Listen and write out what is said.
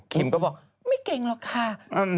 ก็บอกไม่เก่งหรอกค่ะ